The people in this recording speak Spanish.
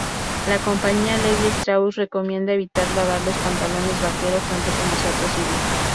La compañía Levi Strauss recomienda evitar lavar los pantalones vaqueros tanto como sea posible.